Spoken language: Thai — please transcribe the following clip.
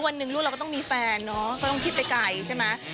วันหนึ่งลูกเราก็ต้องมีแฟนเนอะก็ต้องคิดไปไกลใช่ไหม